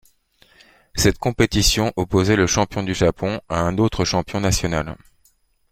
Cette compétition opposait le champion du Japon à un autre champion national.